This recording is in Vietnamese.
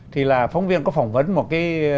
thì là phóng viên có phỏng vấn một cái